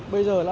bây giờ là